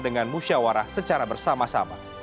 dengan musyawarah secara bersama sama